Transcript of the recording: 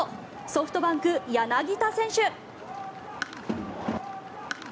ソフトバンク、柳田選手。